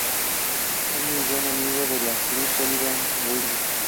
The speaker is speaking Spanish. Es muy buen amigo de la actriz Olivia Wilde.